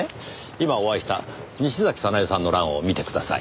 今お会いした西崎早苗さんの欄を見てください。